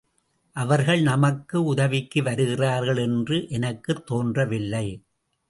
அவர்கள் நமக்கு உதவிக்கு வருகிறார்கள் என்று எனக்குத் தோன்றவில்லை.